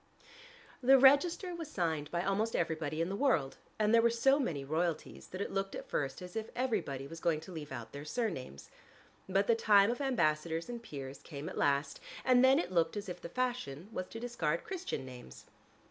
The register was signed by almost everybody in the world, and there were so many royalties that it looked at first as if everybody was going to leave out their surnames. But the time of ambassadors and peers came at last, and then it looked as if the fashion was to discard Christian names.